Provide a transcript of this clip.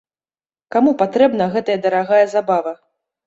Каму патрэбна гэтая дарагая забава?